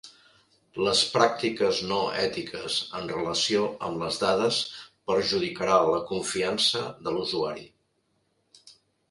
Les pràctiques no ètiques en relació amb les dades perjudicarà la confiança de l"usuari.